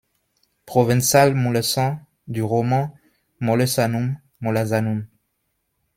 Provençal Moulesan, du roman Molesanum, Molazanum.